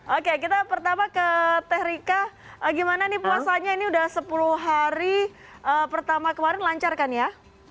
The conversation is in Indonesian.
oke kita pertama ke teh rika gimana nih puasanya ini udah sepuluh hari pertama kemarin lancar kan ya